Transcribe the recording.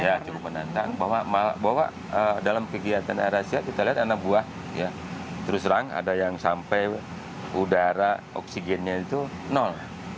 ya cukup menantang bahwa dalam kegiatan air asia kita lihat anak buah terus terang ada yang sampai udara oksigennya itu nol